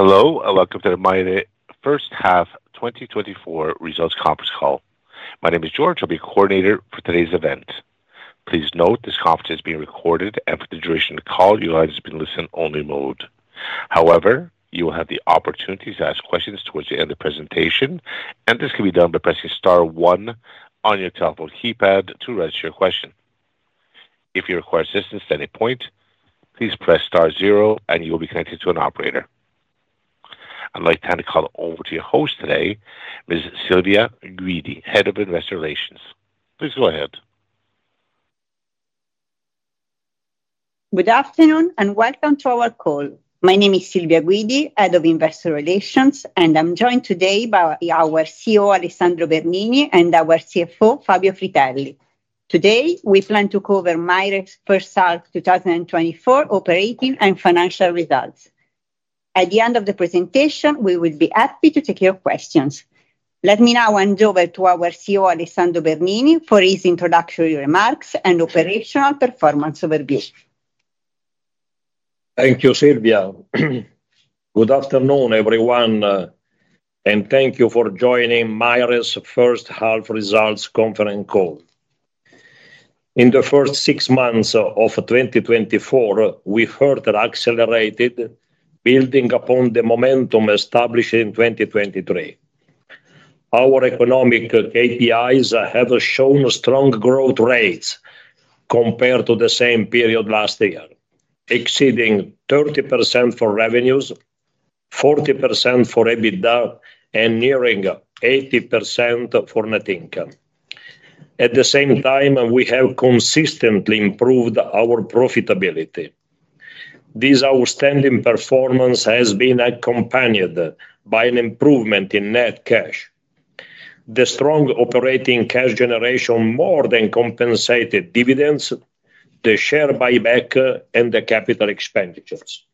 Hello, and welcome to the MAIRE First Half 2024 Results Conference Call. My name is George, and I'll be your coordinator for today's event. Please note this conference is being recorded, and for the duration of the call, your line is in listen-only mode. However, you will have the opportunity to ask questions towards the end of the presentation, and this can be done by pressing Star 1 on your telephone keypad to register your question. If you require assistance at any point, please press Star 0, and you will be connected to an operator. I'd like to hand the call over to your host today, Ms. Silvia Guidi, Head of Investor Relations. Please go ahead. Good afternoon, and welcome to our call. My name is Silvia Guidi, Head of Investor Relations, and I'm joined today by our CEO, Alessandro Bernini, and our CFO, Fabio Fritelli. Today, we plan to cover Maire First Half 2024 operating and financial results. At the end of the presentation, we will be happy to take your questions. Let me now hand over to our CEO, Alessandro Bernini, for his introductory remarks and operational performance overview. Thank you, Silvia. Good afternoon, everyone, and thank you for joining MAIRE's First Half Results Conference Call. In the first six months of 2024, we heard an accelerated building upon the momentum established in 2023. Our economic KPIs have shown strong growth rates compared to the same period last year, exceeding 30% for revenues, 40% for EBITDA, and nearing 80% for net income. At the same time, we have consistently improved our profitability. This outstanding performance has been accompanied by an improvement in net cash. The strong operating cash generation more than compensated dividends, the share buyback, and the capital expenditures.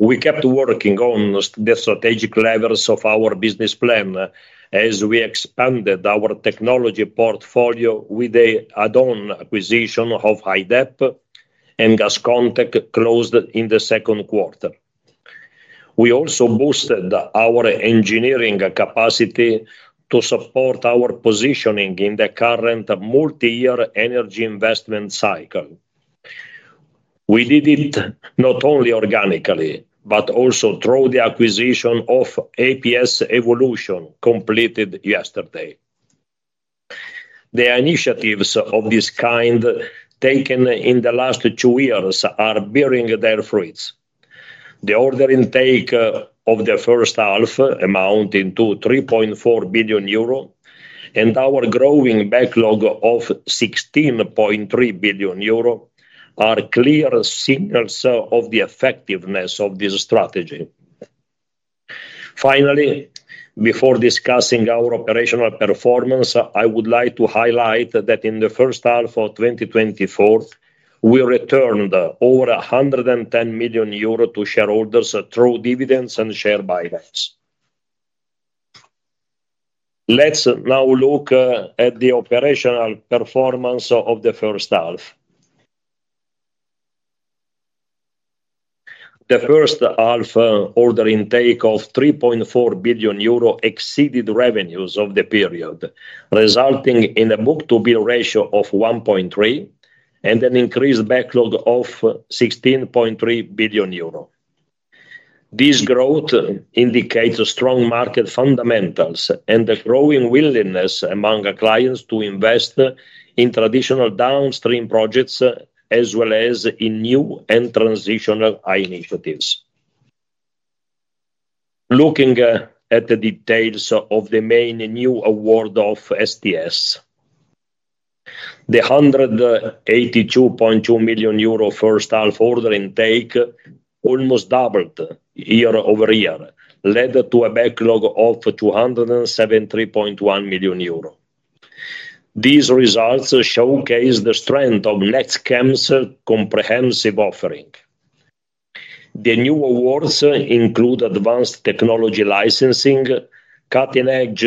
We kept working on the strategic levels of our business plan as we expanded our technology portfolio with the add-on acquisition of HyDEP, and GasConTec closed in the second quarter. We also boosted our engineering capacity to support our positioning in the current multi-year energy investment cycle. We did it not only organically but also through the acquisition of APS Evolution completed yesterday. The initiatives of this kind taken in the last two years are bearing their fruits. The order intake of the first half amounted to 3.4 billion euro, and our growing backlog of 16.3 billion euro are clear signals of the effectiveness of this strategy. Finally, before discussing our operational performance, I would like to highlight that in the first half of 2024, we returned over 110 million euros to shareholders through dividends and share buybacks. Let's now look at the operational performance of the first half. The first half order intake of 3.4 billion euro exceeded revenues of the period, resulting in a book-to-bill ratio of 1.3 and an increased backlog of 16.3 billion euro. This growth indicates strong market fundamentals and a growing willingness among clients to invest in traditional downstream projects as well as in new and transitional initiatives. Looking at the details of the main new award of STS, the 182.2 million euro first half order intake almost doubled year over year, led to a backlog of 273.1 million euro. These results showcase the strength of NextChem's comprehensive offering. The new awards include advanced technology licensing, cutting-edge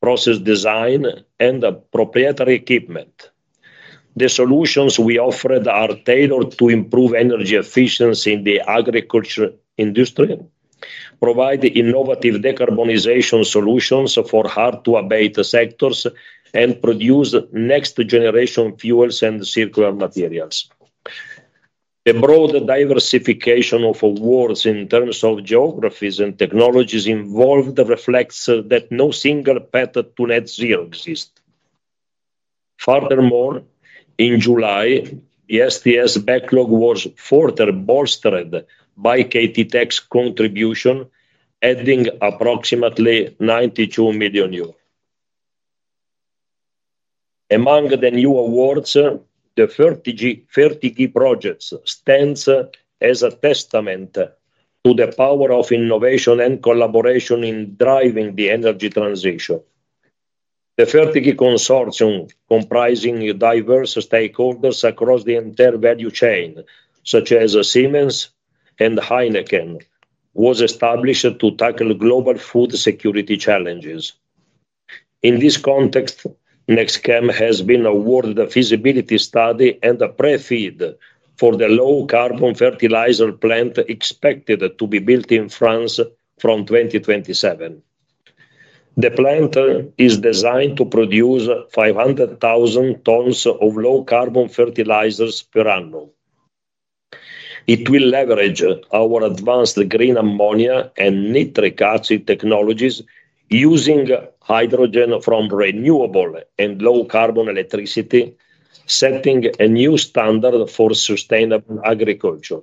process design, and proprietary equipment. The solutions we offered are tailored to improve energy efficiency in the agriculture industry, provide innovative decarbonization solutions for hard-to-abate sectors, and produce next-generation fuels and circular materials. The broad diversification of awards in terms of geographies and technologies involved reflects that no single path to net zero exists. Furthermore, in July, the STS backlog was further bolstered by KT's contribution, adding approximately EUR 92 million. Among the new awards, the FertigHy projects stand as a testament to the power of innovation and collaboration in driving the energy transition. The FertigHy consortium, comprising diverse stakeholders across the entire value chain, such as Siemens and Heineken, was established to tackle global food security challenges. In this context, NextChem has been awarded a feasibility study and a Pre-FEED for the low-carbon fertilizer plant expected to be built in France from 2027. The plant is designed to produce 500,000 tons of low-carbon fertilizers per annum. It will leverage our advanced green ammonia and nitric acid technologies using hydrogen from renewable and low-carbon electricity, setting a new standard for sustainable agriculture.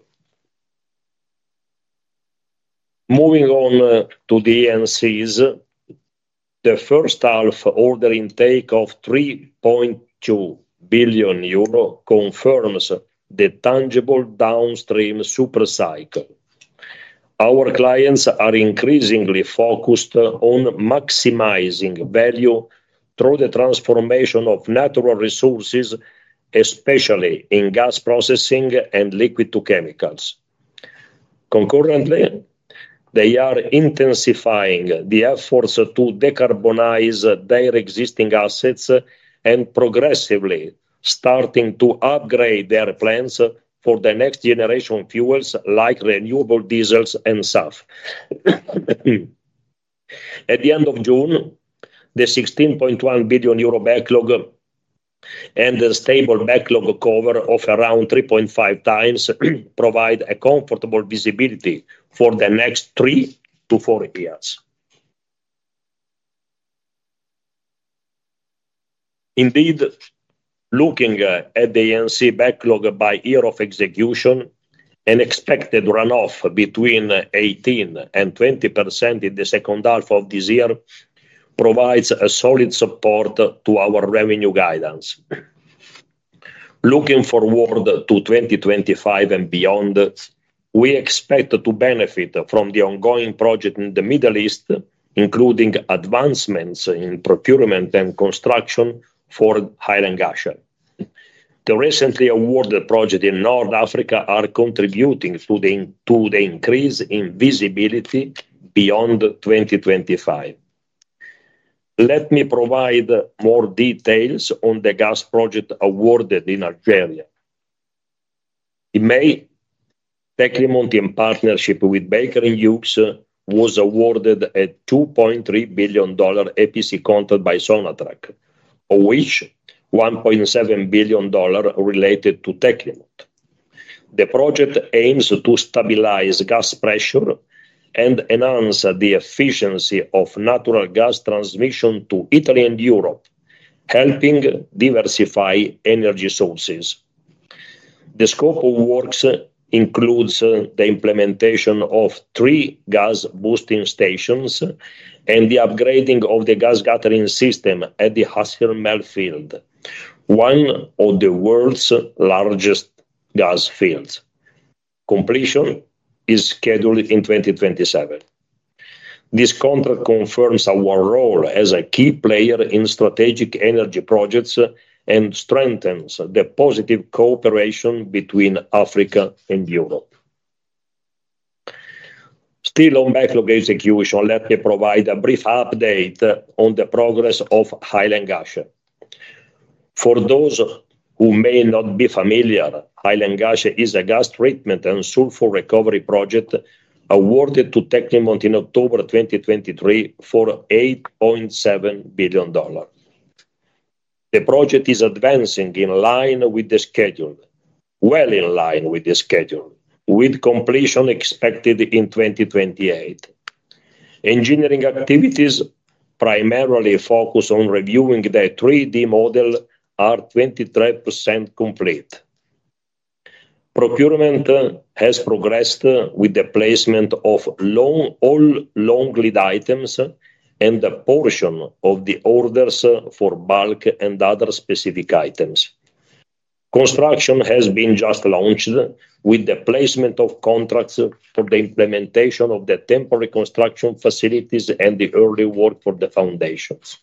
Moving on to the E&Cs, the first half order intake of 3.2 billion euro confirms the tangible downstream supercycle. Our clients are increasingly focused on maximizing value through the transformation of natural resources, especially in gas processing and liquid-to-chemicals. Concurrently, they are intensifying the efforts to decarbonize their existing assets and progressively starting to upgrade their plants for the next-generation fuels like renewable diesels and SAF. At the end of June, the 16.1 billion euro backlog and the stable backlog cover of around 3.5 times provide a comfortable visibility for the next three to four years. Indeed, looking at the E&C backlog by year of execution, an expected runoff between 18% and 20% in the second half of this year provides solid support to our revenue guidance. Looking forward to 2025 and beyond, we expect to benefit from the ongoing project in the Middle East, including advancements in procurement and construction for Hail and Ghasha. The recently awarded projects in North Africa are contributing to the increase in visibility beyond 2025. Let me provide more details on the gas project awarded in Algeria. In May, Tecnimont, in partnership with Baker Hughes, was awarded a $2.3 billion EPC contract by Sonatrach, of which $1.7 billion related to Tecnimont. The project aims to stabilize gas pressure and enhance the efficiency of natural gas transmission to Italy and Europe, helping diversify energy sources. The scope of works includes the implementation of three gas boosting stations and the upgrading of the gas gathering system at the Hassi R'Mel, one of the world's largest gas fields. Completion is scheduled in 2027. This contract confirms our role as a key player in strategic energy projects and strengthens the positive cooperation between Africa and Europe. Still on backlog execution, let me provide a brief update on the progress of Hail and Ghasha. For those who may not be familiar, Hail and Ghasha is a gas treatment and sulfur recovery project awarded to Tecnimont in October 2023 for $8.7 billion. The project is advancing in line with the schedule, well in line with the schedule, with completion expected in 2028. Engineering activities, primarily focused on reviewing the 3D model, are 23% complete. Procurement has progressed with the placement of all long lead items and a portion of the orders for bulk and other specific items. Construction has been just launched with the placement of contracts for the implementation of the temporary construction facilities and the early work for the foundations.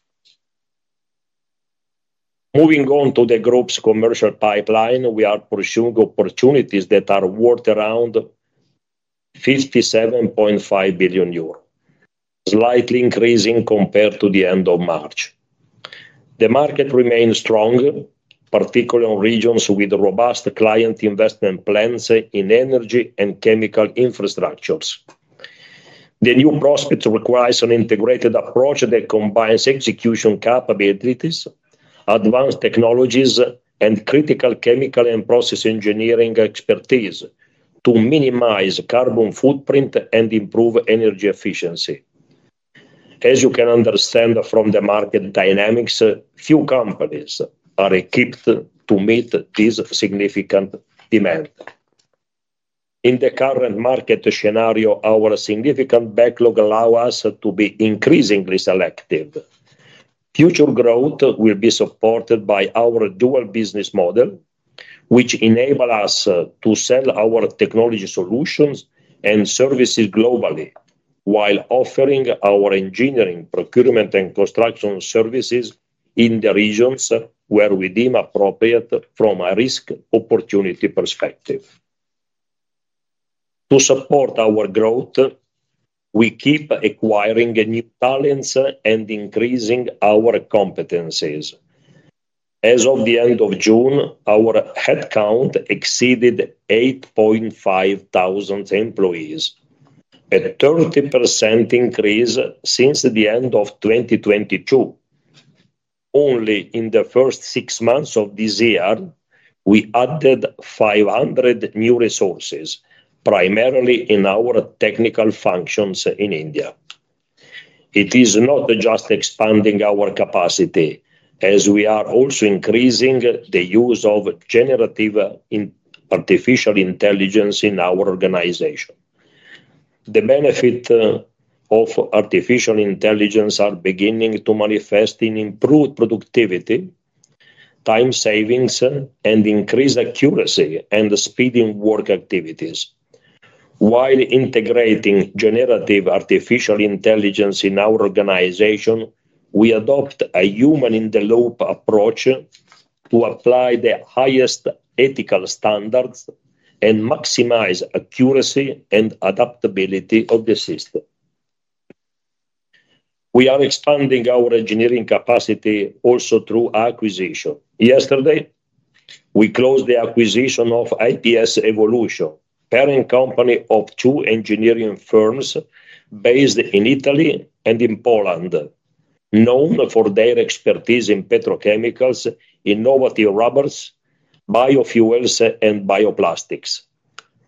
Moving on to the group's commercial pipeline, we are pursuing opportunities that are worth around 57.5 billion euros, slightly increasing compared to the end of March. The market remains strong, particularly in regions with robust client investment plans in energy and chemical infrastructures. The new prospect requires an integrated approach that combines execution capabilities, advanced technologies, and critical chemical and process engineering expertise to minimize carbon footprint and improve energy efficiency. As you can understand from the market dynamics, few companies are equipped to meet this significant demand. In the current market scenario, our significant backlog allows us to be increasingly selective. Future growth will be supported by our dual business model, which enables us to sell our technology solutions and services globally while offering our engineering, procurement, and construction services in the regions where we deem appropriate from a risk-opportunity perspective. To support our growth, we keep acquiring new talents and increasing our competencies. As of the end of June, our headcount exceeded 8,500 employees, a 30% increase since the end of 2022. Only in the first six months of this year, we added 500 new resources, primarily in our technical functions in India. It is not just expanding our capacity, as we are also increasing the use of generative artificial intelligence in our organization. The benefits of artificial intelligence are beginning to manifest in improved productivity, time savings, and increased accuracy and speed in work activities. While integrating generative artificial intelligence in our organization, we adopt a human-in-the-loop approach to apply the highest ethical standards and maximize accuracy and adaptability of the system. We are expanding our engineering capacity also through acquisition. Yesterday, we closed the acquisition of APS Evolution, a parent company of two engineering firms based in Italy and in Poland, known for their expertise in petrochemicals, innovative rubbers, biofuels, and bioplastics.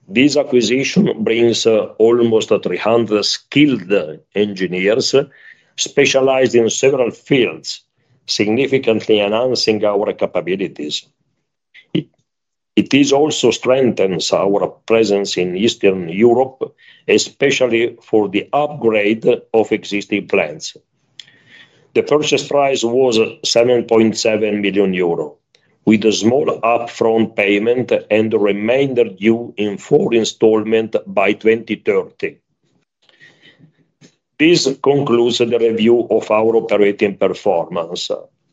This acquisition brings almost 300 skilled engineers specialized in several fields, significantly enhancing our capabilities. It also strengthens our presence in Eastern Europe, especially for the upgrade of existing plants. The purchase price was 7.7 million euro, with a small upfront payment and remainder due in full installment by 2030. This concludes the review of our operating performance.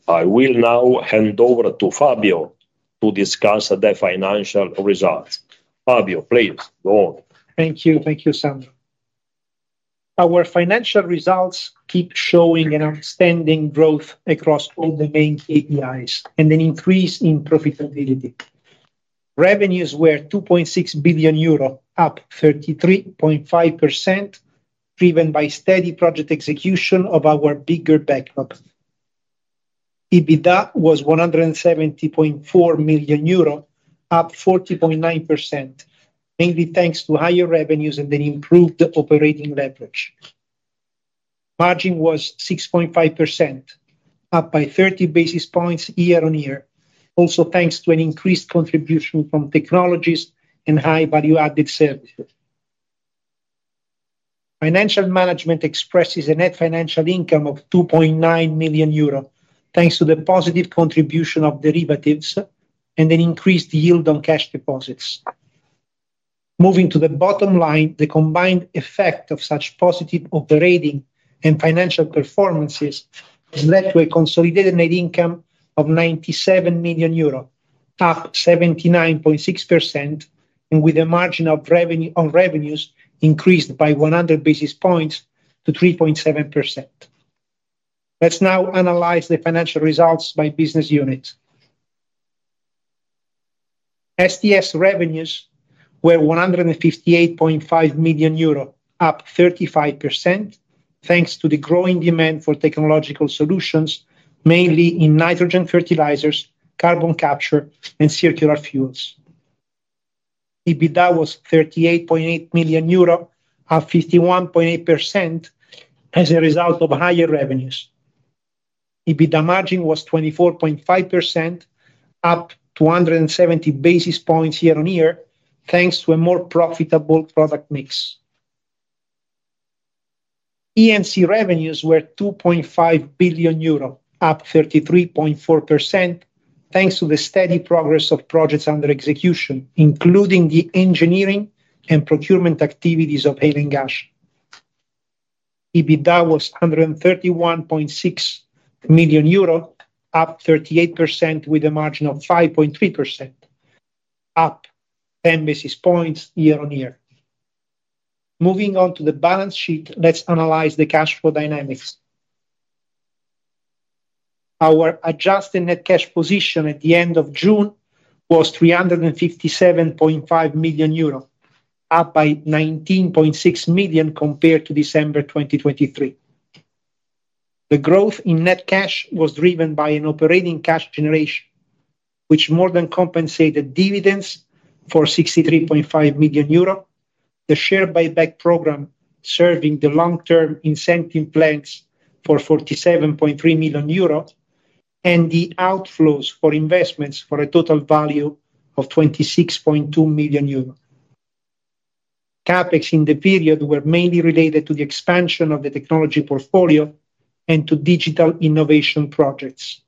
I will now hand over to Fabio to discuss the financial results. Fabio, please go on. Thank you. Thank you, Alessandro Financial management expresses a net financial income of 2.9 million euro, thanks to the positive contribution of derivatives and an increased yield on cash deposits. Moving to the bottom line, the combined effect of such positive operating and financial performances has led to a consolidated net income of 97 million euro, up 79.6%, and with a margin of revenue on revenues increased by 100 basis points to 3.7%. Let's now analyze the financial results by business unit. STS revenues were 158.5 million euro, up 35%, thanks to the growing demand for technological solutions, mainly in nitrogen fertilizers, carbon capture, and circular fuels. EBITDA was EUR 38.8 million, up 51.8%, as a result of higher revenues. EBITDA margin was 24.5%, up 270 basis points year-on-year, thanks to a more profitable product mix. E&C revenues were 2.5 billion euro, up 33.4%, thanks to the steady progress of projects under execution, including the engineering and procurement activities of Hail and Ghasha. EBITDA was 131.6 million euro, up 38%, with a margin of 5.3%, up 10 basis points year on year. Moving on to the balance sheet, let's analyze the cash flow dynamics. Our adjusted net cash position at the end of June was 357.5 million euro, up by 19.6 million compared to December 2023. The growth in net cash was driven by an operating cash generation, which more than compensated dividends for 63.5 million euro, the share buyback program serving the long-term incentive plans for 47.3 million euros, and the outflows for investments for a total value of 26.2 million euros. CapEx in the period were mainly related to the expansion of the technology portfolio and to digital innovation projects.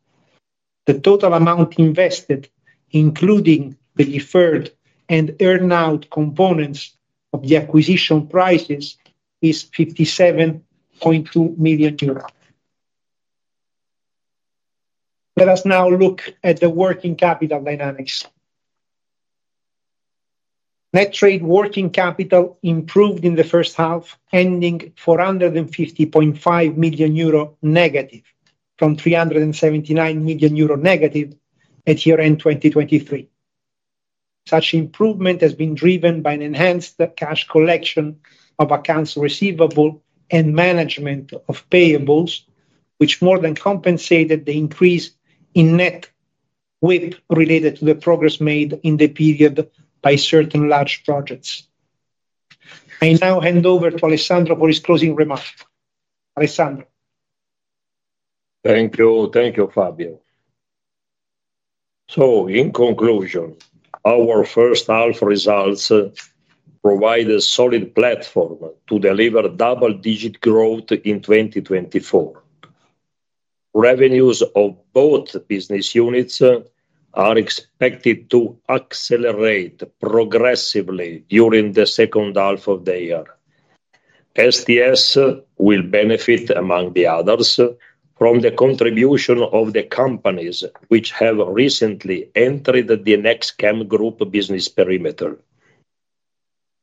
The total amount invested, including the deferred and earned-out components of the acquisition prices, is EUR 57.2 million. Let us now look at the working capital dynamics. Net trade working capital improved in the first half, ending 450.5 million euro negative from 379 million euro negative at year-end 2023. Such improvement has been driven by an enhanced cash collection of accounts receivable and management of payables, which more than compensated the increase in net WIP related to the progress made in the period by certain large projects. I now hand over to Alessandro for his closing remarks. Alessandro. Thank you. Thank you, Fabio. So, in conclusion, our first half results provide a solid platform to deliver double-digit growth in 2024. Revenues of both business units are expected to accelerate progressively during the second half of the year. STS will benefit, among the others, from the contribution of the companies which have recently entered the NextChem Group business perimeter.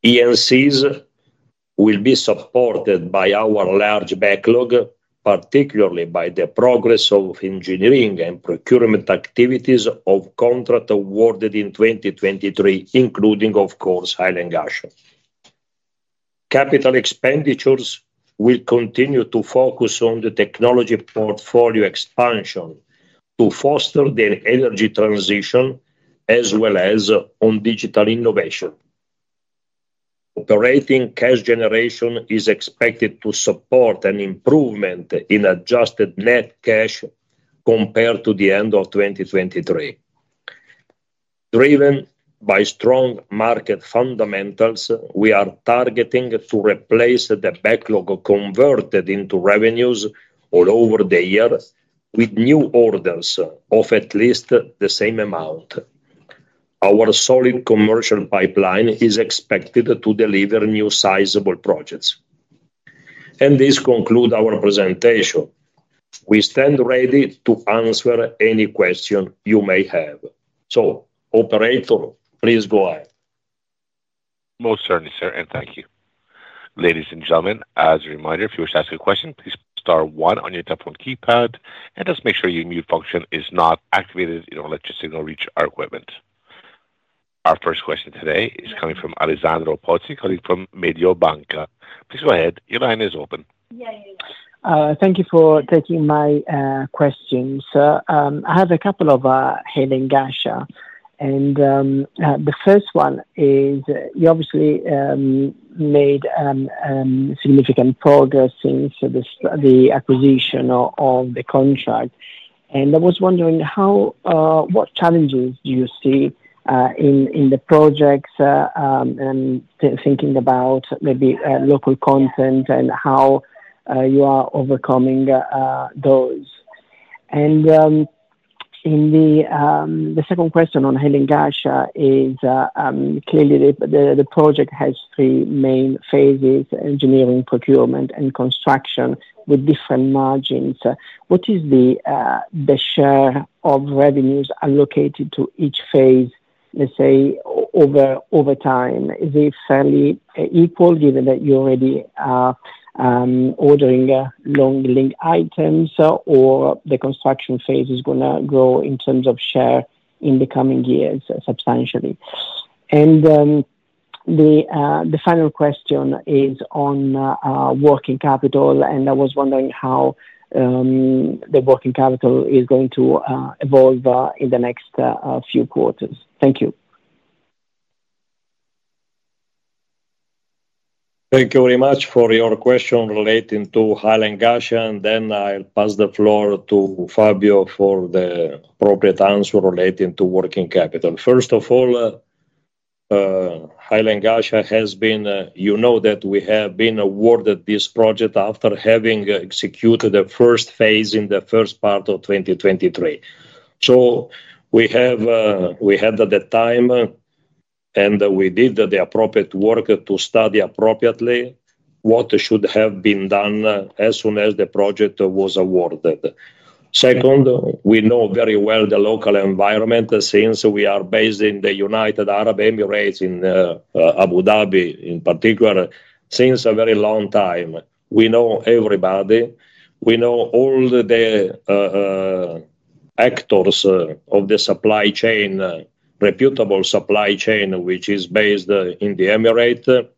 E&Cs will be supported by our large backlog, particularly by the progress of engineering and procurement activities of contract awarded in 2023, including, of course, Hail and Ghasha. Capital expenditures will continue to focus on the technology portfolio expansion to foster the energy transition, as well as on digital innovation. Operating cash generation is expected to support an improvement in adjusted net cash compared to the end of 2023. Driven by strong market fundamentals, we are targeting to replace the backlog converted into revenues all over the year with new orders of at least the same amount. Our solid commercial pipeline is expected to deliver new sizable projects. This concludes our presentation. We stand ready to answer any question you may have. So, Operator, please go ahead. Most certainly, sir. And thank you. Ladies and gentlemen, as a reminder, if you wish to ask a question, please press star one on your telephone keypad, and just make sure your mute function is not activated. You don't let your signal reach our equipment. Our first question today is coming from Alessandro Pozzi, calling from Mediobanca. Please go ahead. Your line is open. Yeah, yeah. Thank you for taking my questions. I have a couple of Hail and Ghasha, and the first one is you obviously made significant progress since the acquisition of the contract. And I was wondering what challenges do you see in the projects, thinking about maybe local content and how you are overcoming those. And the second question on Hail and Ghasha is clearly the project has three main phases: engineering, procurement, and construction, with different margins. What is the share of revenues allocated to each phase, let's say, over time? Is it fairly equal, given that you're already ordering long lead items, or the construction phase is going to grow in terms of share in the coming years substantially? And the final question is on working capital, and I was wondering how the working capital is going to evolve in the next few quarters. Thank you. Thank you very much for your question relating to Hail and Ghasha. And then I'll pass the floor to Fabio for the appropriate answer relating to working capital. First of all, Hail and Ghasha has been, you know that we have been awarded this project after having executed the first phase in the first part of 2023. So we had the time, and we did the appropriate work to study appropriately what should have been done as soon as the project was awarded. Second, we know very well the local environment since we are based in the United Arab Emirates, in Abu Dhabi in particular, since a very long time. We know everybody. We know all the actors of the supply chain, reputable supply chain, which is based in the Emirates,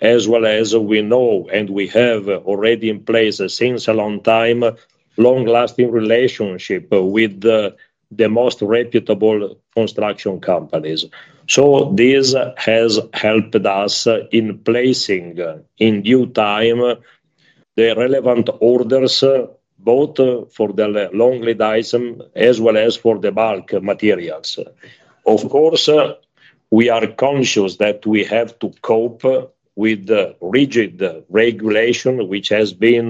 as well as we know and we have already in place since a long time, long-lasting relationship with the most reputable construction companies. So this has helped us in placing in due time the relevant orders, both for the long lead items as well as for the bulk materials. Of course, we are conscious that we have to cope with rigid regulation, which has been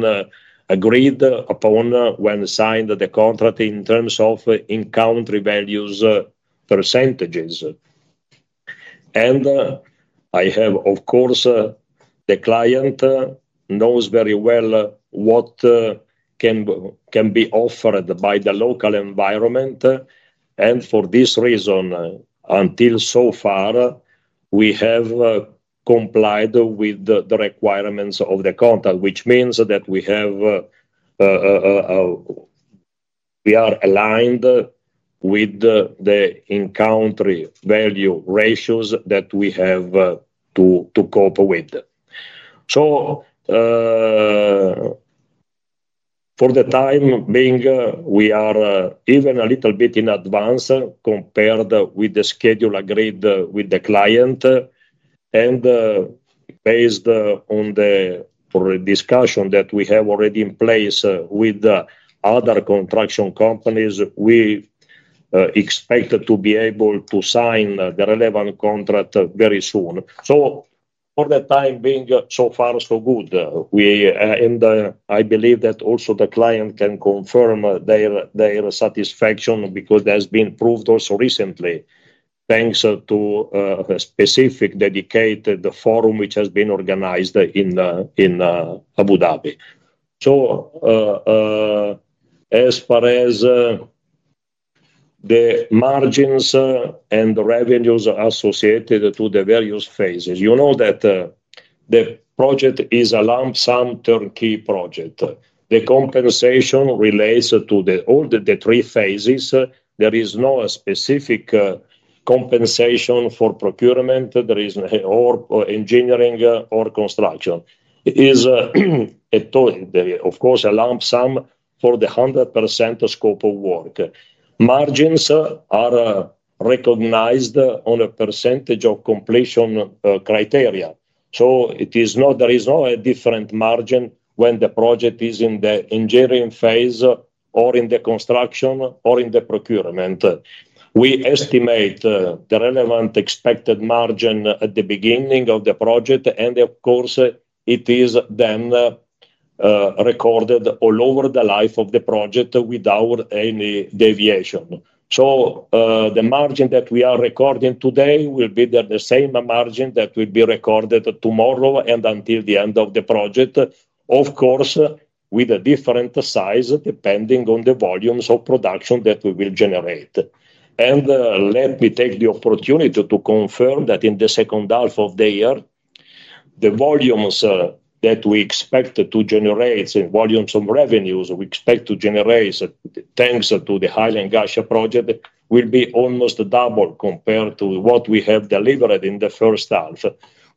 agreed upon when signed the contract in terms of in-country value percentages. And I have, of course, the client knows very well what can be offered by the local environment. For this reason, until so far, we have complied with the requirements of the contract, which means that we are aligned with the In-Country Value ratios that we have to cope with. For the time being, we are even a little bit in advance compared with the schedule agreed with the client. Based on the discussion that we have already in place with other construction companies, we expect to be able to sign the relevant contract very soon. For the time being, so far, so good. I believe that also the client can confirm their satisfaction because it has been proved also recently, thanks to a specific dedicated forum which has been organized in Abu Dhabi. As far as the margins and the revenues associated to the various phases, you know that the project is a Lump sum turnkey project. The compensation relates to all the three phases. There is no specific compensation for procurement, or engineering, or construction. It is, of course, a lump sum for the 100% scope of work. Margins are recognized on a percentage of completion criteria. So there is no different margin when the project is in the engineering phase, or in the construction, or in the procurement. We estimate the relevant expected margin at the beginning of the project, and of course, it is then recorded all over the life of the project without any deviation. So the margin that we are recording today will be the same margin that will be recorded tomorrow and until the end of the project, of course, with a different size depending on the volumes of production that we will generate. Let me take the opportunity to confirm that in the second half of the year, the volumes that we expect to generate, volumes of revenues we expect to generate thanks to the Hail and Ghasha project, will be almost double compared to what we have delivered in the first half,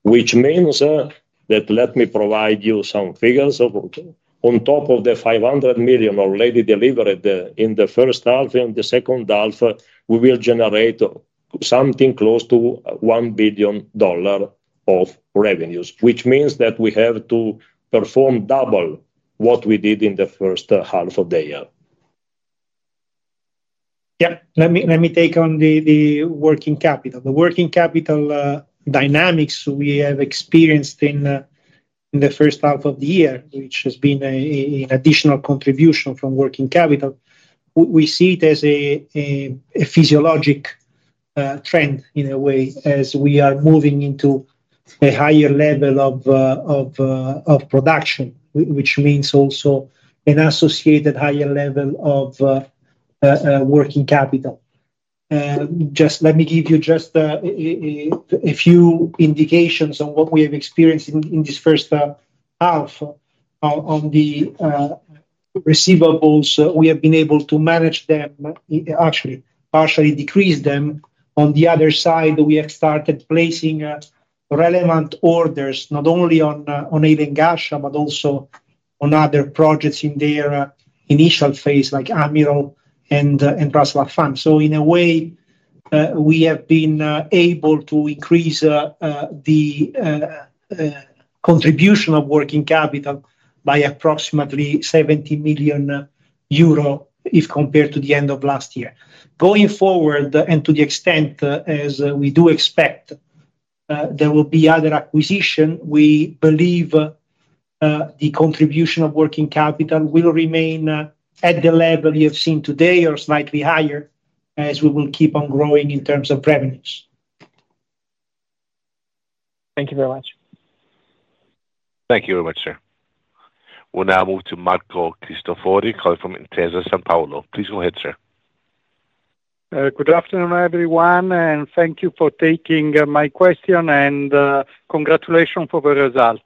which means that let me provide you some figures. On top of the 500 million already delivered in the first half and the second half, we will generate something close to $1 billion of revenues, which means that we have to perform double what we did in the first half of the year. Yeah. Let me take on the working capital. The working capital dynamics we have experienced in the first half of the year, which has been an additional contribution from working capital, we see it as a physiologic trend in a way as we are moving into a higher level of production, which means also an associated higher level of working capital. Just let me give you just a few indications on what we have experienced in this first half on the receivables. We have been able to manage them, actually partially decrease them. On the other side, we have started placing relevant orders not only on Hail and Ghasha, but also on other projects in their initial phase like Amiral and Ras Al-Khair. So in a way, we have been able to increase the contribution of working capital by approximately 70 million euro if compared to the end of last year. Going forward and to the extent as we do expect there will be other acquisitions, we believe the contribution of working capital will remain at the level you have seen today or slightly higher as we will keep on growing in terms of revenues. Thank you very much. Thank you very much, sir. We'll now move to Marco Cristofori, calling from Intesa Sanpaolo. Please go ahead, sir. Good afternoon, everyone, and thank you for taking my question, and congratulations for the result.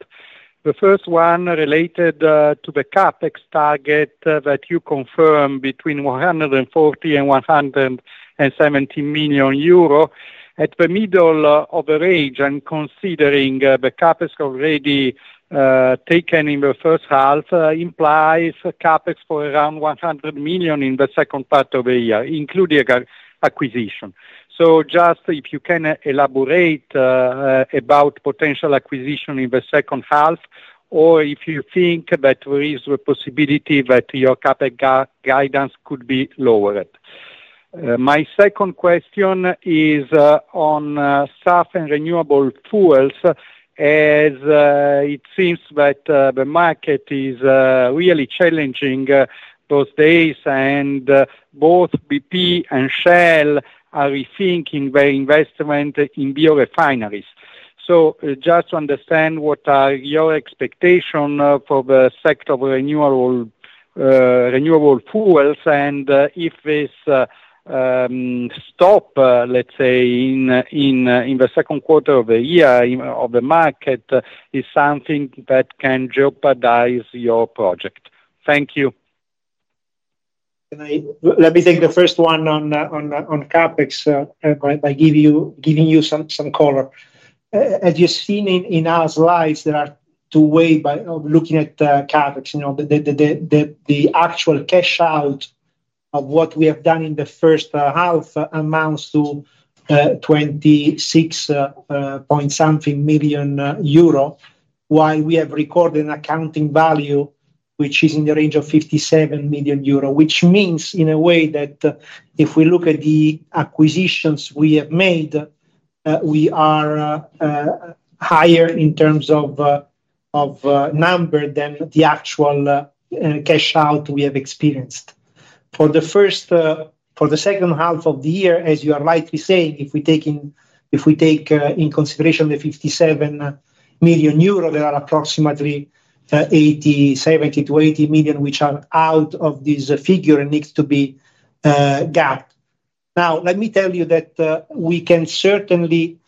The first one related to the CapEx target that you confirmed between 140 million and 170 million euro. At the middle of the range, and considering the CapEx already taken in the first half, implies CapEx for around 100 million in the second part of the year, including acquisition. So just if you can elaborate about potential acquisition in the second half, or if you think that there is a possibility that your CapEx guidance could be lowered. My second question is on STS and renewable fuels, as it seems that the market is really challenging these days, and both BP and Shell are rethinking their investment in biorefineries. So just to understand what are your expectations for the sector of renewable fuels, and if this stop, let's say, in the second quarter of the year of the market is something that can jeopardize your project. Thank you. Let me take the first one on CapEx by giving you some color. As you've seen in our slides, there are two ways of looking at CapEx. The actual cash out of what we have done in the first half amounts to EUR 26.something million, while we have recorded an accounting value which is in the range of 57 million euro, which means in a way that if we look at the acquisitions we have made, we are higher in terms of number than the actual cash out we have experienced. For the second half of the year, as you are rightly saying, if we take in consideration the 57 million euro, there are approximately 70-80 million which are out of this figure and need to be gapped. Now, let me tell you that we can certainly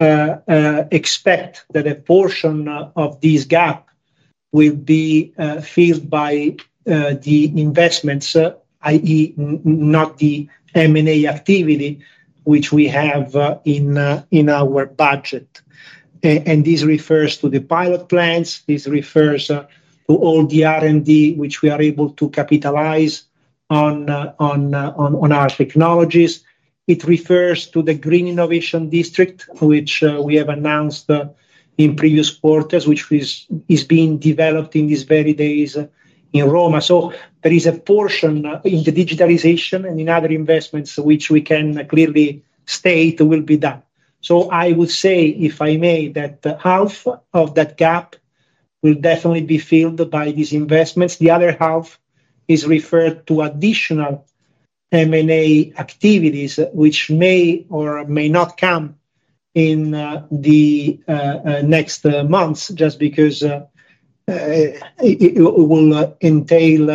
expect that a portion of this gap will be filled by the investments, i.e., not the M&A activity which we have in our budget. This refers to the pilot plans. This refers to all the R&D which we are able to capitalize on our technologies. It refers to the Green Innovation District, which we have announced in previous quarters, which is being developed in these very days in Rome. So there is a portion in the digitalization and in other investments which we can clearly state will be done. So I would say, if I may, that half of that gap will definitely be filled by these investments. The other half is referred to additional M&A activities which may or may not come in the next months just because it will entail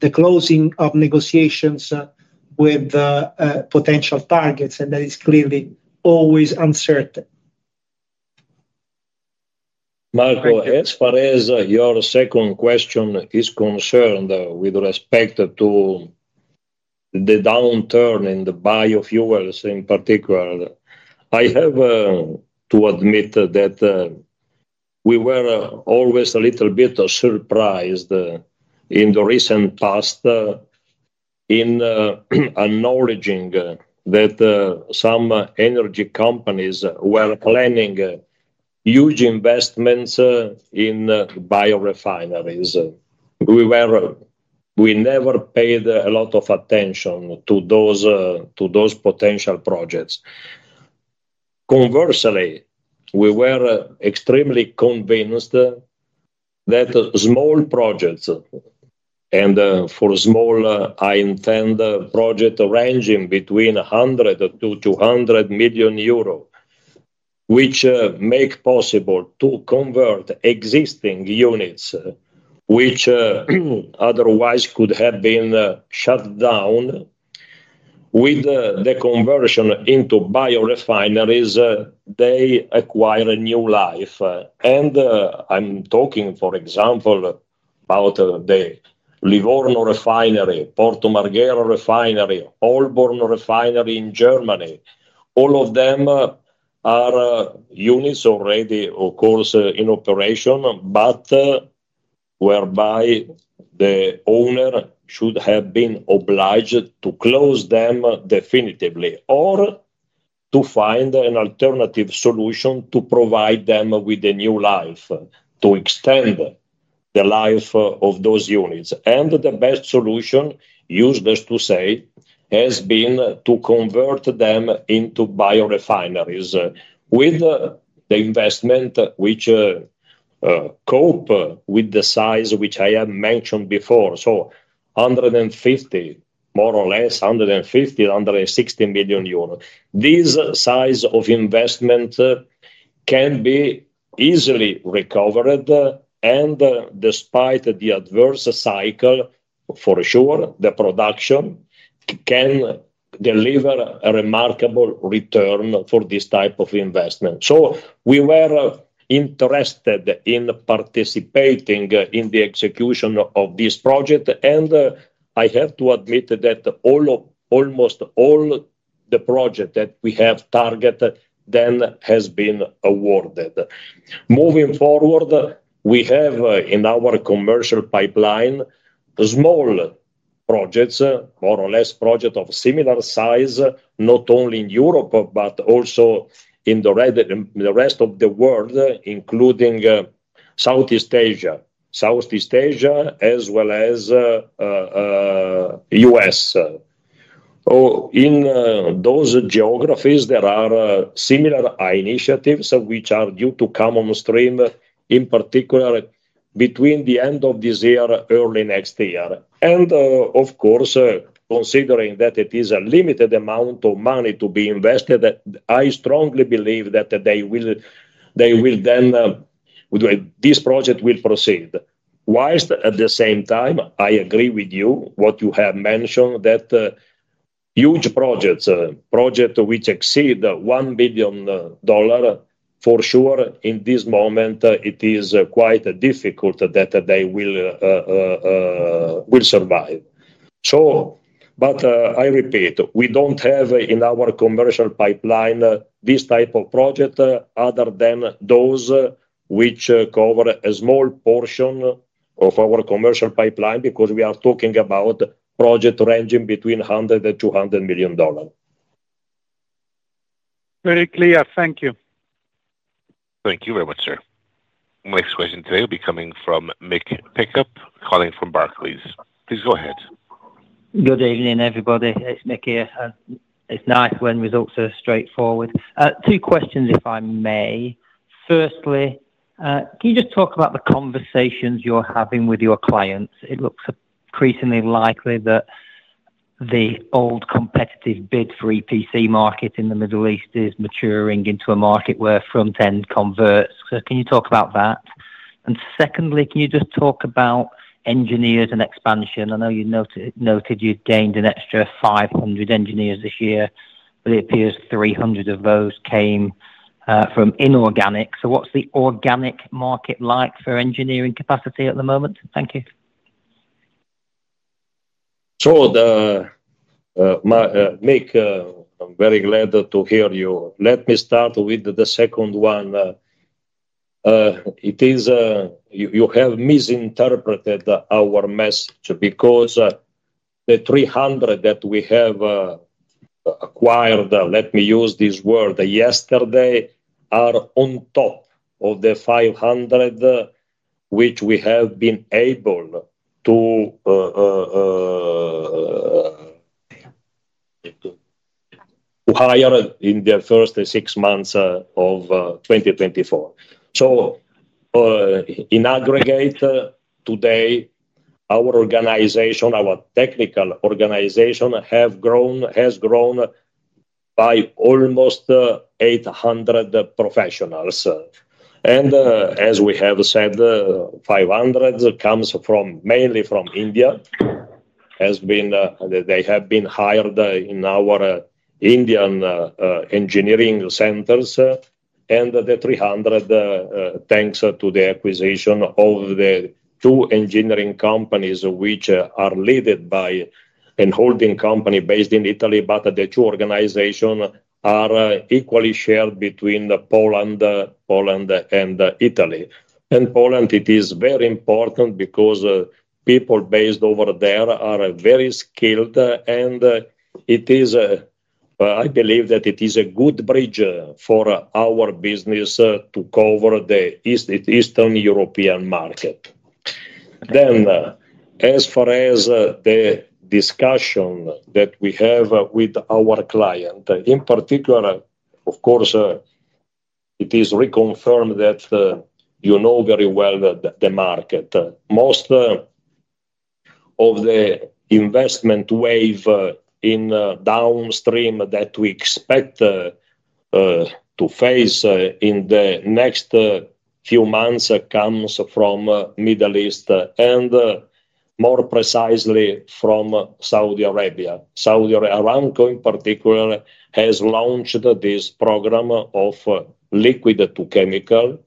the closing of negotiations with potential targets, and that is clearly always uncertain. Marco, as far as your second question is concerned with respect to the downturn in the biofuels in particular, I have to admit that we were always a little bit surprised in the recent past in acknowledging that some energy companies were planning huge investments in biorefineries. We never paid a lot of attention to those potential projects. Conversely, we were extremely convinced that small projects, and for small, I intend projects ranging between 100 million-200 million euros, which make possible to convert existing units which otherwise could have been shut down, with the conversion into biorefineries, they acquire a new life. And I'm talking, for example, about the Livorno refinery, Porto Marghera refinery, Holborn refinery in Germany. All of them are units already, of course, in operation, but whereby the owner should have been obliged to close them definitively or to find an alternative solution to provide them with a new life to extend the life of those units. The best solution, useless to say, has been to convert them into biorefineries with the investment which cope with the size which I have mentioned before. 150, more or less 150, 160 million euros. This size of investment can be easily recovered, and despite the adverse cycle, for sure, the production can deliver a remarkable return for this type of investment. We were interested in participating in the execution of this project, and I have to admit that almost all the projects that we have targeted then have been awarded. Moving forward, we have in our commercial pipeline small projects, more or less projects of similar size, not only in Europe but also in the rest of the world, including Southeast Asia, Southeast Asia, as well as the U.S. In those geographies, there are similar initiatives which are due to come on stream, in particular between the end of this year and early next year. And of course, considering that it is a limited amount of money to be invested, I strongly believe that they will then this project will proceed. While at the same time, I agree with you what you have mentioned, that huge projects, projects which exceed $1 billion, for sure, in this moment, it is quite difficult that they will survive. But I repeat, we don't have in our commercial pipeline this type of project other than those which cover a small portion of our commercial pipeline because we are talking about projects ranging between $100-$200 million. Very clear. Thank you. Thank you very much, sir. Next question today will be coming from Mick Pickup calling from Barclays. Please go ahead. Good evening, everybody. It's Mick here. It's nice when results are straightforward. Two questions, if I may. Firstly, can you just talk about the conversations you're having with your clients? It looks increasingly likely that the old competitive bid-free EPC market in the Middle East is maturing into a market where front-end contracts. So can you talk about that? And secondly, can you just talk about engineers and expansion? I know you noted you'd gained an extra 500 engineers this year, but it appears 300 of those came from inorganic. So what's the organic market like for engineering capacity at the moment? Thank you. Sure. Mick, I'm very glad to hear you. Let me start with the second one. You have misinterpreted our message because the 300 that we have acquired, let me use this word, yesterday are on top of the 500 which we have been able to hire in the first six months of 2024. So in aggregate, today, our organization, our technical organization, has grown by almost 800 professionals. As we have said, 500 comes mainly from India. They have been hired in our Indian engineering centers, and the 300 thanks to the acquisition of the two engineering companies which are led by a holding company based in Italy, but the two organizations are equally shared between Poland and Italy. And Poland, it is very important because people based over there are very skilled, and I believe that it is a good bridge for our business to cover the Eastern European market. Then, as far as the discussion that we have with our client, in particular, of course, it is reconfirmed that you know very well the market. Most of the investment wave in downstream that we expect to face in the next few months comes from the Middle East, and more precisely from Saudi Arabia. Saudi Aramco, in particular, has launched this program of liquid to chemical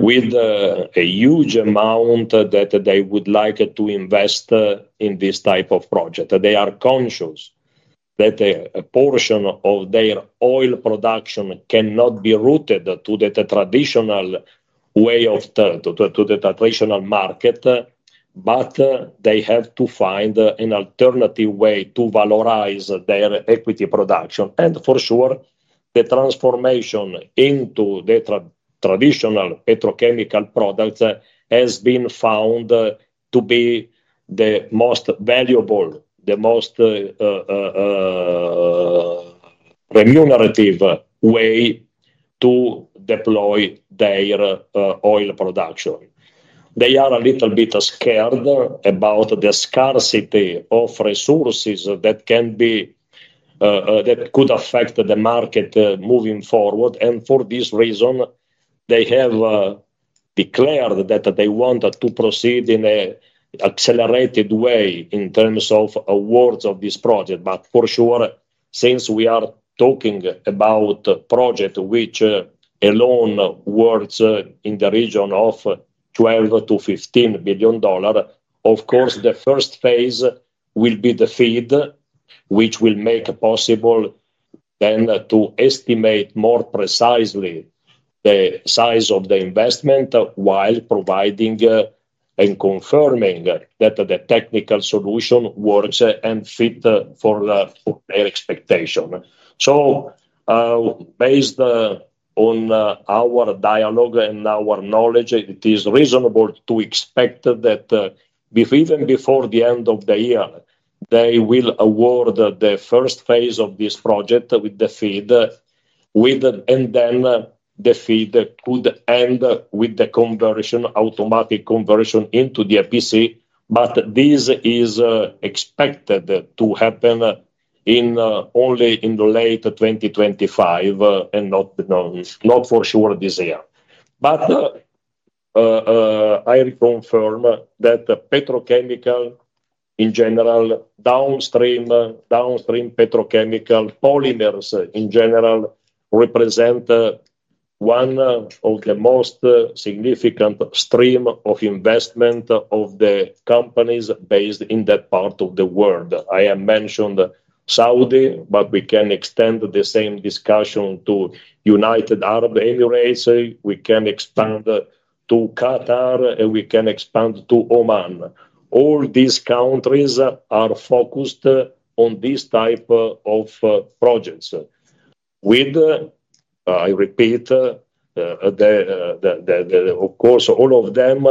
with a huge amount that they would like to invest in this type of project. They are conscious that a portion of their oil production cannot be routed to the traditional way of the traditional market, but they have to find an alternative way to valorize their equity production. And for sure, the transformation into the traditional petrochemical products has been found to be the most valuable, the most remunerative way to deploy their oil production. They are a little bit scared about the scarcity of resources that could affect the market moving forward. And for this reason, they have declared that they want to proceed in an accelerated way in terms of awards of this project. For sure, since we are talking about a project which alone works in the region of $12-$15 million, of course, the first phase will be the FEED which will make possible then to estimate more precisely the size of the investment while providing and confirming that the technical solution works and fits for their expectation. So based on our dialogue and our knowledge, it is reasonable to expect that even before the end of the year, they will award the first phase of this project with the FEED, and then the FEED could end with the conversion, automatic conversion into the EPC. But this is expected to happen only in late 2025 and not for sure this year. But I reconfirm that petrochemical, in general, downstream petrochemical polymers, in general, represent one of the most significant streams of investment of the companies based in that part of the world. I have mentioned Saudi, but we can extend the same discussion to the United Arab Emirates. We can expand to Qatar, and we can expand to Oman. All these countries are focused on this type of projects. I repeat, of course, all of them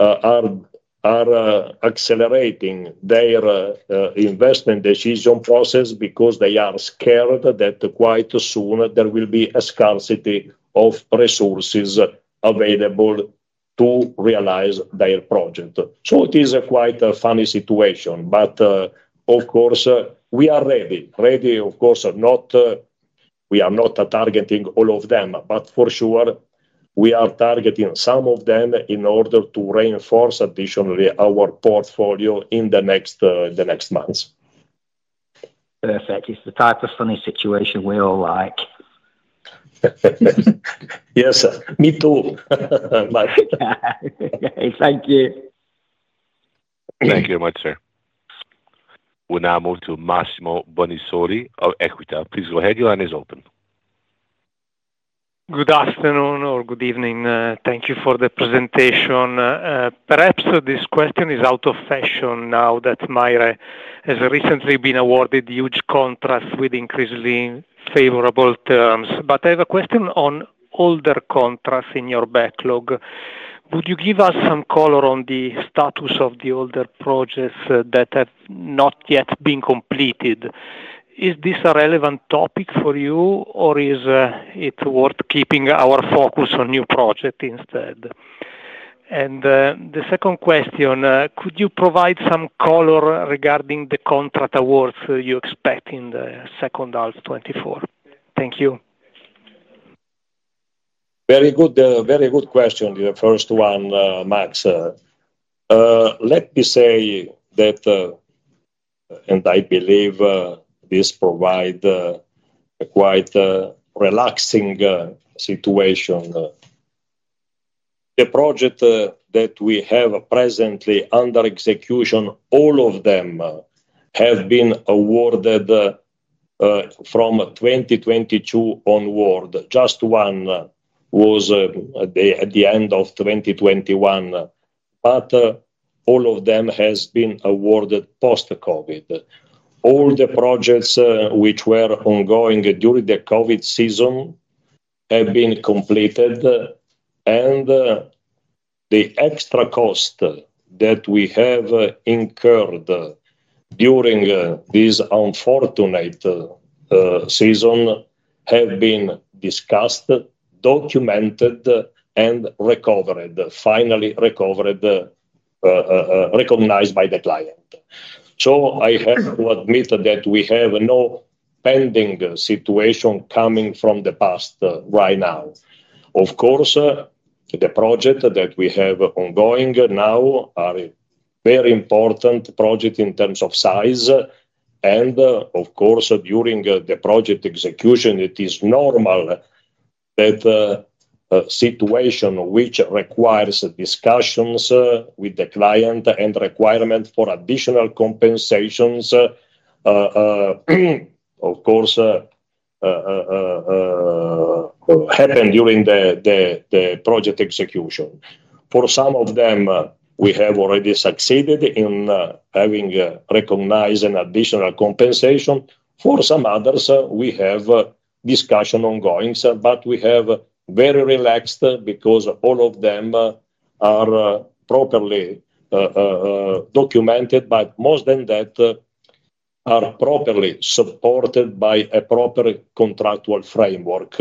are accelerating their investment decision process because they are scared that quite soon there will be a scarcity of resources available to realize their project. So it is quite a funny situation. But of course, we are ready. Ready, of course, we are not targeting all of them, but for sure, we are targeting some of them in order to reinforce additionally our portfolio in the next months. Perfect. It's the type of funny situation we all like. Yes. Me too. Thank you. Thank you very much, sir. We now move to Massimo Bonisoli of Equita. Please go ahead. Your line is open. Good afternoon or good evening. Thank you for the presentation. Perhaps this question is out of fashion now that MAIRE has recently been awarded huge contracts with increasingly favorable terms. But I have a question on older contracts in your backlog. Would you give us some color on the status of the older projects that have not yet been completed? Is this a relevant topic for you, or is it worth keeping our focus on new projects instead? And the second question, could you provide some color regarding the contract awards you expect in the second half of 2024? Thank you. Very good question, the first one, Max. Let me say that, and I believe this provides a quite relaxing situation. The projects that we have presently under execution, all of them have been awarded from 2022 onward. Just one was at the end of 2021, but all of them have been awarded post-COVID. All the projects which were ongoing during the COVID season have been completed, and the extra cost that we have incurred during this unfortunate season has been discussed, documented, and finally recognized by the client. So I have to admit that we have no pending situation coming from the past right now. Of course, the projects that we have ongoing now are very important projects in terms of size. And of course, during the project execution, it is normal that a situation which requires discussions with the client and requirement for additional compensations, of course, happens during the project execution. For some of them, we have already succeeded in having recognized an additional compensation. For some others, we have discussions ongoing, but we have been very relaxed because all of them are properly documented, but more than that, are properly supported by a proper contractual framework.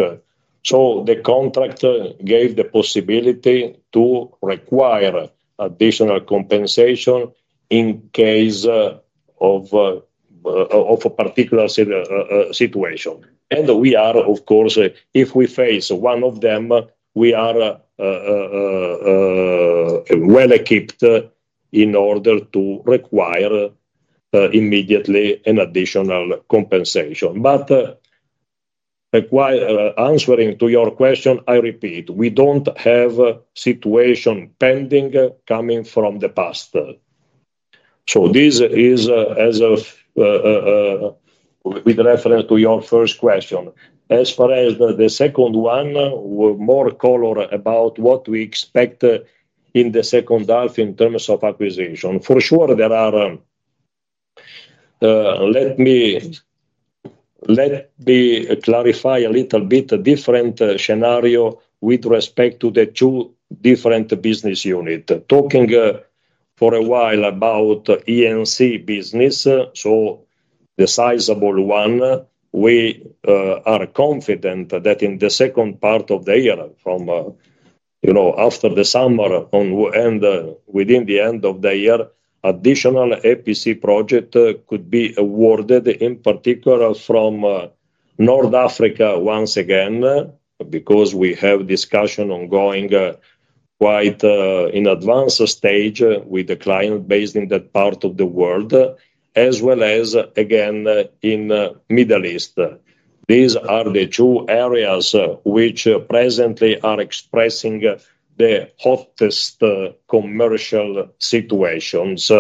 So the contract gave the possibility to require additional compensation in case of a particular situation. And we are, of course, if we face one of them, we are well-equipped in order to require immediately an additional compensation. But answering to your question, I repeat, we don't have a situation pending coming from the past. So this is with reference to your first question. As far as the second one, more color about what we expect in the second half in terms of acquisition. For sure, there are. Let me clarify a little bit a different scenario with respect to the two different business units. Talking for a while about E&C business, so the sizable one, we are confident that in the second part of the year, after the summer and within the end of the year, additional EPC projects could be awarded, in particular from North Africa once again, because we have discussions ongoing quite in advanced stage with the client based in that part of the world, as well as, again, in the Middle East. These are the two areas which presently are expressing the hottest commercial situations.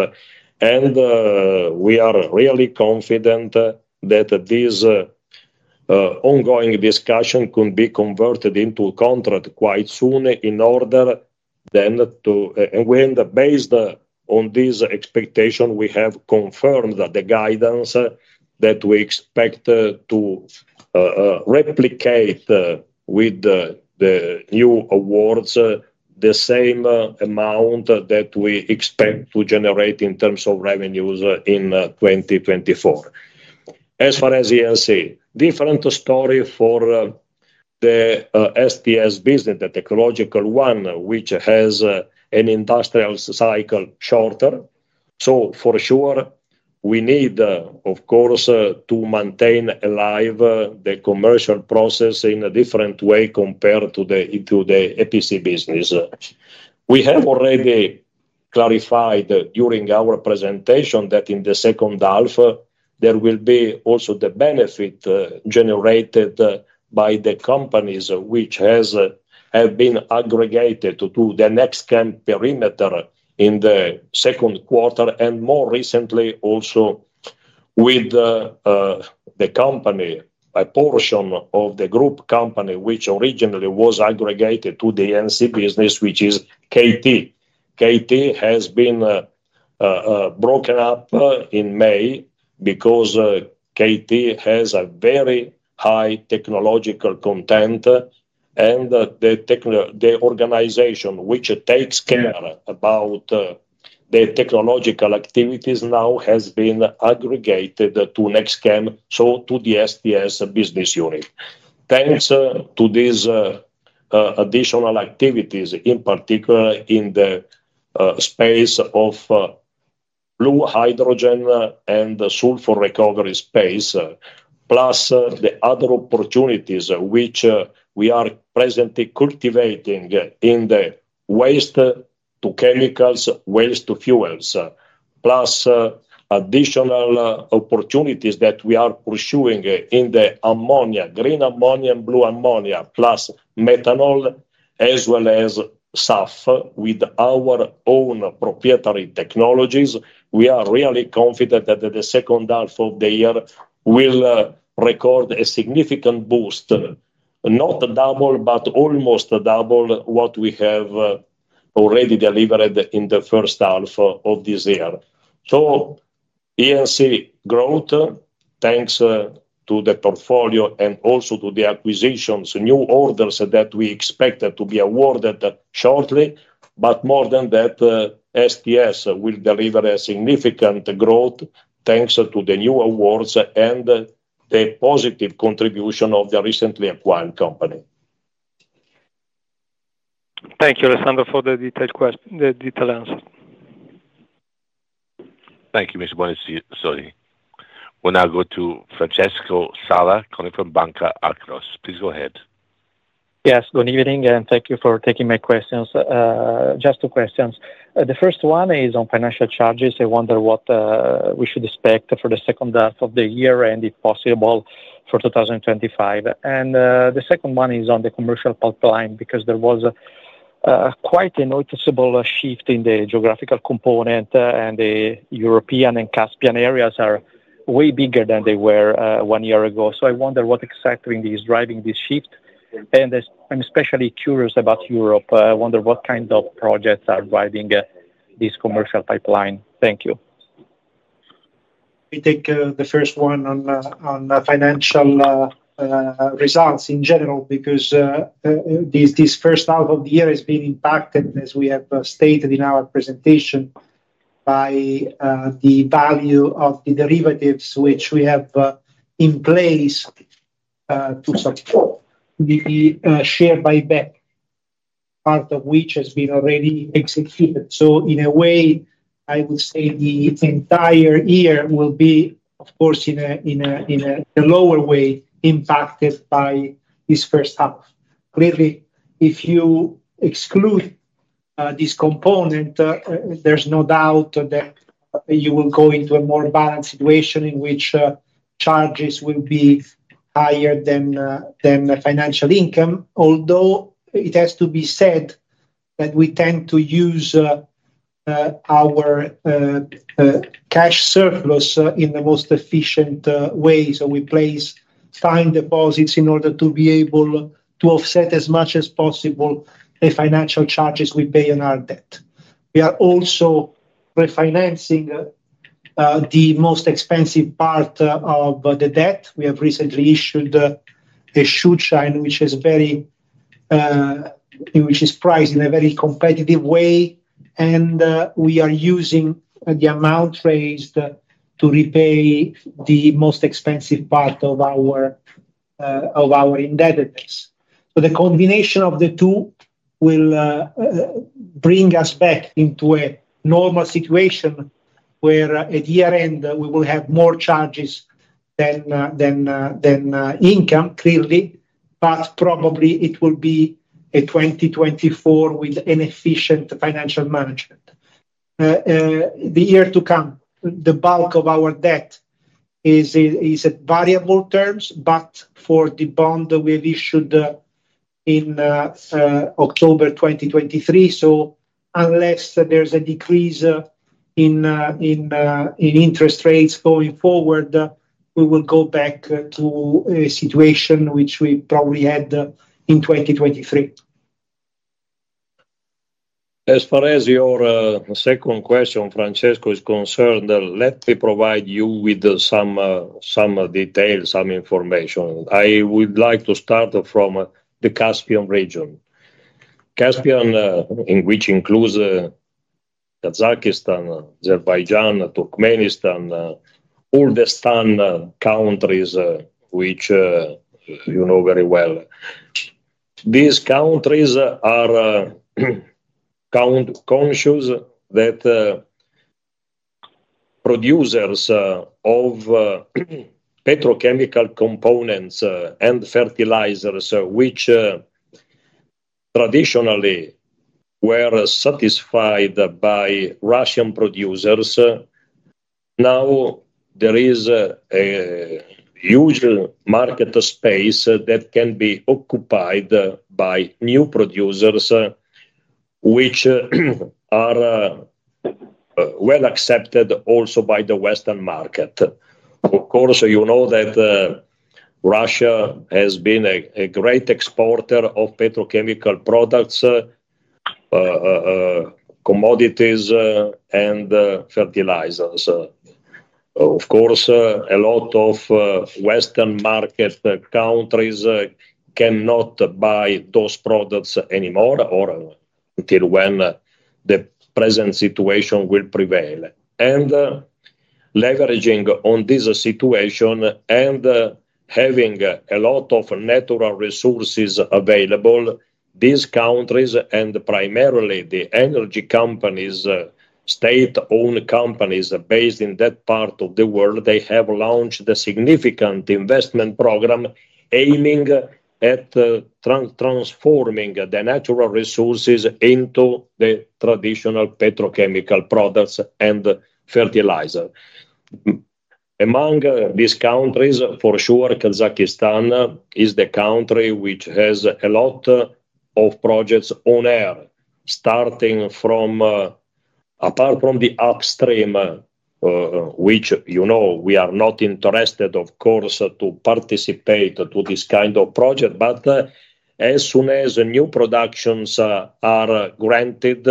We are really confident that this ongoing discussion could be converted into a contract quite soon in order then to and based on this expectation, we have confirmed the guidance that we expect to replicate with the new awards, the same amount that we expect to generate in terms of revenues in 2024. As far as E&C, different story for the STS business, the technological one, which has an industrial cycle shorter. For sure, we need, of course, to maintain alive the commercial process in a different way compared to the EPC business. We have already clarified during our presentation that in the second half, there will be also the benefit generated by the companies which have been aggregated to the NextChem perimeter in the second quarter, and more recently, also with the company, a portion of the group company which originally was aggregated to the E&C business, which is KT. KT has been broken up in May because KT has a very high technological content, and the organization which takes care about the technological activities now has been aggregated to NextChem, so to the STS business unit. Thanks to these additional activities, in particular in the space of blue hydrogen and sulfur recovery space, plus the other opportunities which we are presently cultivating in the waste-to-chemicals, waste-to-fuels, plus additional opportunities that we are pursuing in the ammonia, green ammonia and blue ammonia, plus methanol, as well as SAF with our own proprietary technologies. We are really confident that the second half of the year will record a significant boost, not double, but almost double what we have already delivered in the first half of this year. So E&C growth, thanks to the portfolio and also to the acquisitions, new orders that we expected to be awarded shortly. But more than that, STS will deliver a significant growth thanks to the new awards and the positive contribution of the recently acquired company. Thank you, Alessandro, for the detailed answer. Thank you, Mr. Bonisoli. We now go to Francesco Sala, calling from Banca Akros. Please go ahead. Yes, good evening, and thank you for taking my questions. Just two questions. The first one is on financial charges. I wonder what we should expect for the second half of the year and if possible for 2025. And the second one is on the commercial pipeline because there was quite a noticeable shift in the geographical component, and the European and Caspian areas are way bigger than they were one year ago. So I wonder what exactly is driving this shift. And I'm especially curious about Europe. I wonder what kind of projects are driving this commercial pipeline. Thank you. We take the first one on financial results in general because this first half of the year has been impacted, as we have stated in our presentation, by the value of the derivatives which we have in place to support the share buyback, part of which has been already executed. So in a way, I would say the entire year will be, of course, in a lower way impacted by this first half. Clearly, if you exclude this component, there's no doubt that you will go into a more balanced situation in which charges will be higher than financial income. Although it has to be said that we tend to use our cash surplus in the most efficient way. So we place time deposits in order to be able to offset as much as possible the financial charges we pay on our debt. We are also refinancing the most expensive part of the debt. We have recently issued a Schuldschein, which is priced in a very competitive way, and we are using the amount raised to repay the most expensive part of our indebtedness. So the combination of the two will bring us back into a normal situation where at year-end, we will have more charges than income, clearly, but probably it will be in 2024 with efficient financial management. The year to come, the bulk of our debt is at variable rates, but for the bond we issued in October 2023. So unless there's a decrease in interest rates going forward, we will go back to a situation which we probably had in 2023. As far as your second question, Francesco, is concerned, let me provide you with some details, some information. I would like to start from the Caspian region. Caspian, which includes Kazakhstan, Azerbaijan, Turkmenistan, Kurdistan countries, which you know very well. These countries are conscious that producers of petrochemical components and fertilizers, which traditionally were satisfied by Russian producers, now there is a huge market space that can be occupied by new producers, which are well accepted also by the Western market. Of course, you know that Russia has been a great exporter of petrochemical products, commodities, and fertilizers. Of course, a lot of Western market countries cannot buy those products anymore or until when the present situation will prevail. And leveraging on this situation and having a lot of natural resources available, these countries, and primarily the energy companies, state-owned companies based in that part of the world, they have launched a significant investment program aiming at transforming the natural resources into the traditional petrochemical products and fertilizer. Among these countries, for sure, Kazakhstan is the country which has a lot of projects on air, starting from apart from the upstream, which you know we are not interested, of course, to participate in this kind of project. But as soon as new productions are granted,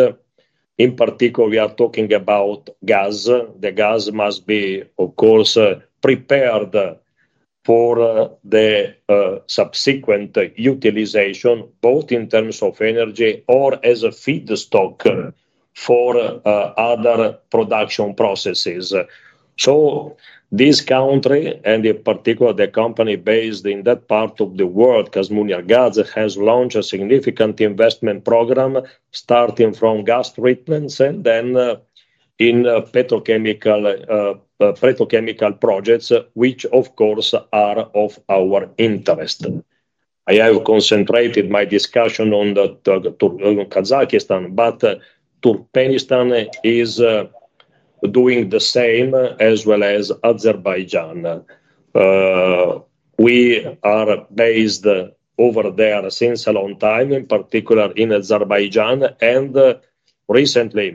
in particular, we are talking about gas. The gas must be, of course, prepared for the subsequent utilization, both in terms of energy or as a feedstock for other production processes. So this country, and in particular, the company based in that part of the world, KazMunayGas, has launched a significant investment program starting from gas treatments and then in petrochemical projects, which, of course, are of our interest. I have concentrated my discussion on Kazakhstan, but Turkmenistan is doing the same as well as Azerbaijan. We are based over there since a long time, in particular in Azerbaijan.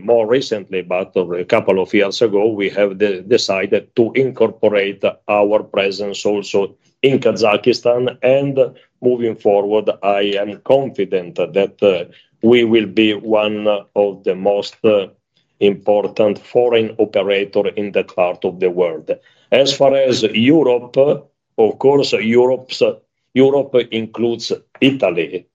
More recently, but a couple of years ago, we have decided to incorporate our presence also in Kazakhstan. Moving forward, I am confident that we will be one of the most important foreign operators in that part of the world. As far as Europe, of course, Europe includes Italy.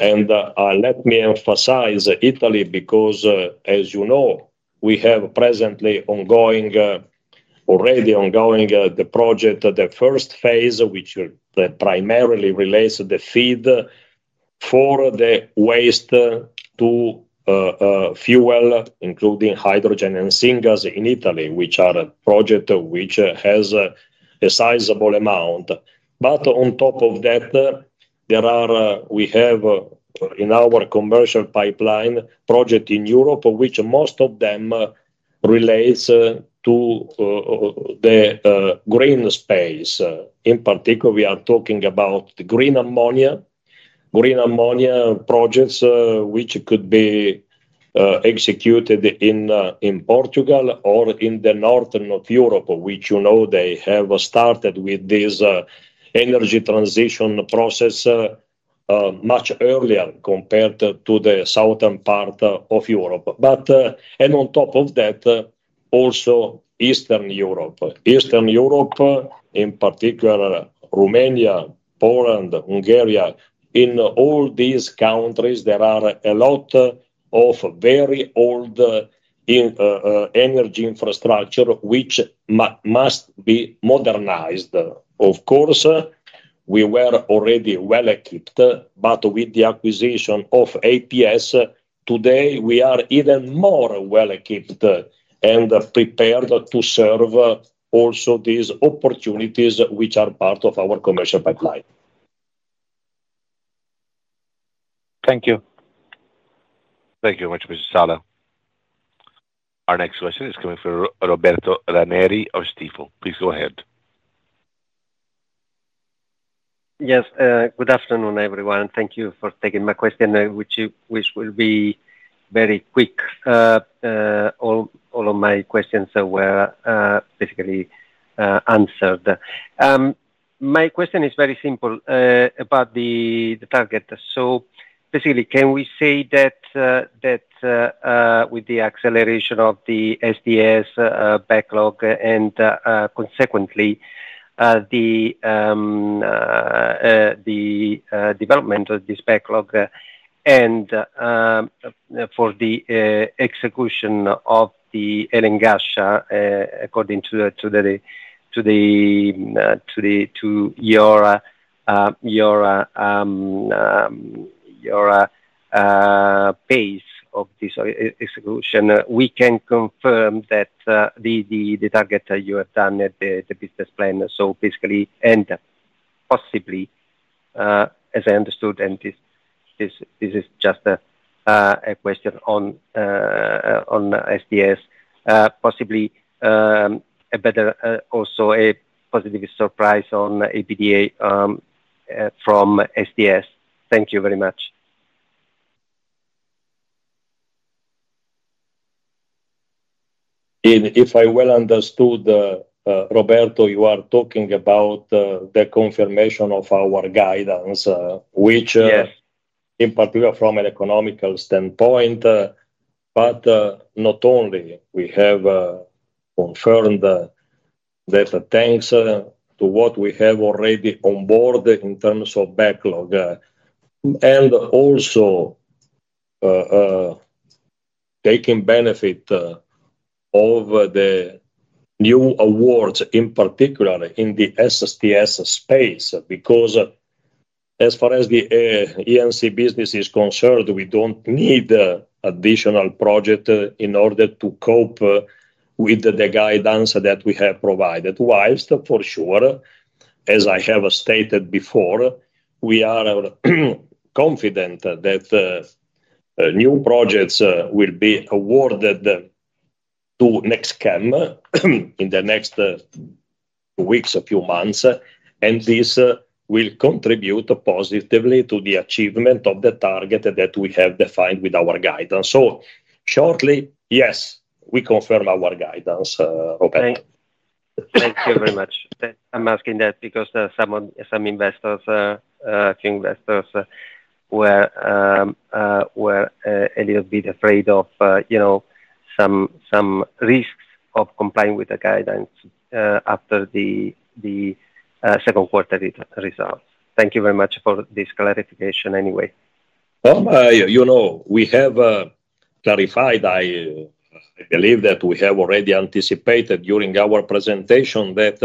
Let me emphasize Italy because, as you know, we have presently already ongoing the project, the first phase, which primarily relates to the FEED for the waste-to-fuel, including hydrogen and syngas in Italy, which is a project which has a sizable amount. But on top of that, we have in our commercial pipeline projects in Europe, which most of them relate to the green space. In particular, we are talking about green ammonia, green ammonia projects which could be executed in Portugal or in the north of Europe, which you know they have started with this energy transition process much earlier compared to the southern part of Europe. And on top of that, also Eastern Europe. Eastern Europe, in particular, Romania, Poland, Hungary. In all these countries, there are a lot of very old energy infrastructure which must be modernized. Of course, we were already well equipped, but with the acquisition of APS, today we are even more well equipped and prepared to serve also these opportunities which are part of our commercial pipeline. Thank you. Thank you very much, Mr. Sala. Our next question is coming from Roberto Ranieri of Stifel. Please go ahead. Yes, good afternoon, everyone. Thank you for taking my question, which will be very quick. All of my questions were basically answered. My question is very simple about the target. So basically, can we say that with the acceleration of the STS backlog and consequently the development of this backlog and for the execution of the Hail and Ghasha according to your pace of this execution, we can confirm that the target you have set in the business plan. So basically, and possibly, as I understood, and this is just a question on STS, possibly a better also a positive surprise on EBITDA from STS. Thank you very much. If I well understood, Roberto, you are talking about the confirmation of our guidance, which in particular from an economic standpoint, but not only, we have confirmed that thanks to what we have already on board in terms of backlog and also taking benefit of the new awards, in particular in the STS space, because as far as the E&C business is concerned, we don't need additional projects in order to cope with the guidance that we have provided. While, for sure, as I have stated before, we are confident that new projects will be awarded to NextChem in the next weeks, a few months, and this will contribute positively to the achievement of the target that we have defined with our guidance. So shortly, yes, we confirm our guidance. Thank you very much. I'm asking that because some investors, a few investors, were a little bit afraid of some risks of complying with the guidance after the second quarter results. Thank you very much for this clarification anyway. You know, we have clarified. I believe that we have already anticipated during our presentation that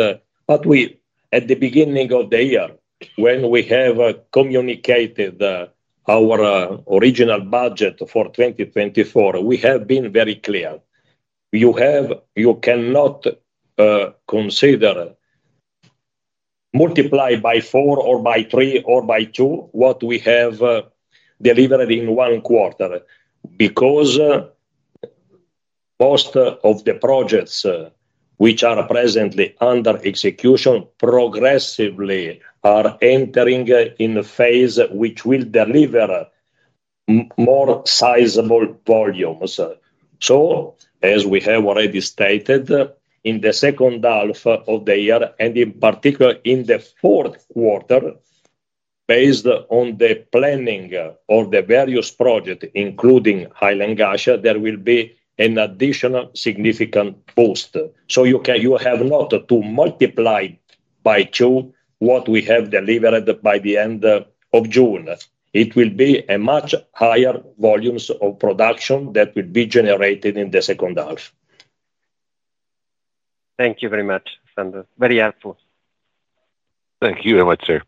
at the beginning of the year, when we have communicated our original budget for 2024, we have been very clear. You cannot consider multiplied by 4 or by 3 or by 2 what we have delivered in one quarter because most of the projects which are presently under execution progressively are entering in a phase which will deliver more sizable volumes. So as we have already stated, in the second half of the year, and in particular in the fourth quarter, based on the planning of the various projects, including Hail and Ghasha, there will be an additional significant boost. So you have not to multiply by two what we have delivered by the end of June. It will be a much higher volume of production that will be generated in the second half. Thank you very much, Sandro. Very helpful. Thank you very much, sir.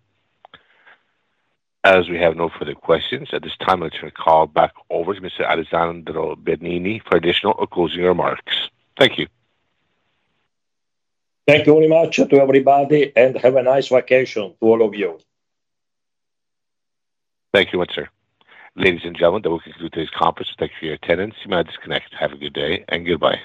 As we have no further questions at this time, let's call back over to Mr. Alessandro Bernini for additional closing remarks. Thank you. Thank you very much to everybody and have a nice vacation to all of you. Thank you very much, sir. Ladies and gentlemen, that will conclude today's conference. Thank you for your attendance. You may now disconnect. Have a good day and goodbye.